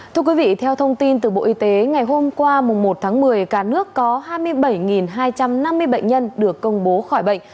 thưa quý vị theo thông tin từ bộ y tế ngày hôm qua một tháng một mươi cả nước có hai mươi bảy hai trăm năm mươi bệnh nhân được công bố khỏi bệnh